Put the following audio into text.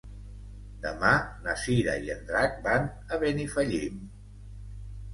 Demà na Cira i en Drac van a Benifallim.